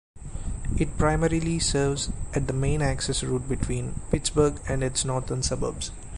It primarily serves at the main access route between Pittsburgh and its northern suburbs.